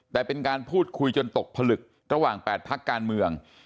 แต่เป็นการพูดคุยจนตกผลึกระหว่าง๘พักการเมือง